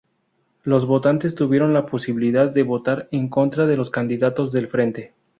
Los votantes tuvieron la posibilidad de votar en contra de los candidatos del Frente.